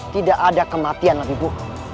tidak ada kematian lebih bu